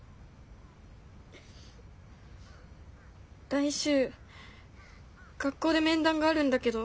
・来週学校で面談があるんだけど。